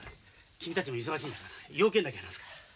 君たちも忙しいんだから用件だけ話すから。